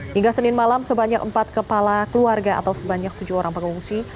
hingga senin malam sebanyak empat kepala keluarga atau sebanyak tujuh orang pengungsi